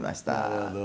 なるほど。